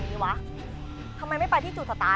ไขว้ขาไขว้ขาไขว้ขา